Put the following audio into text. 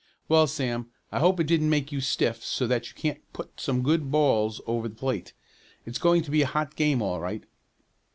"Well, Sam, I hope it didn't make you stiff so that you can't put some good balls over the plate. It's going to be a hot game all right."